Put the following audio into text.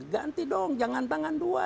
ganti dong jangan tangan dua